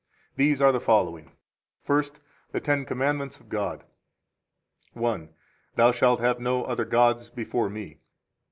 These are the following: First THE TEN COMMANDMENTS OF GOD. 1 1. Thou shalt have no other gods before Me.